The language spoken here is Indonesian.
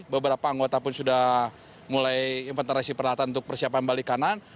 beberapa anggota pun sudah mulai inventarrasi peralatan untuk persiapan balik kanan